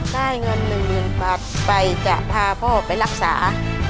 ได้เงิน๑บาทไปจะพาพ่อไปรักษา